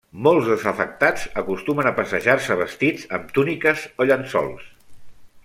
Molts dels afectats acostumen a passejar-se vestits amb túniques o llençols.